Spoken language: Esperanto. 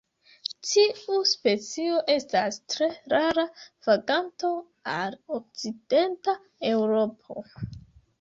Tiu specio estas tre rara vaganto al okcidenta Eŭropo.